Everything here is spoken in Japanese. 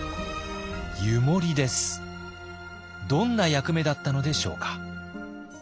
どんな役目だったのでしょうか。